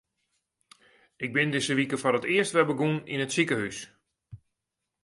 Ik bin dizze wike foar it earst wer begûn yn it sikehús.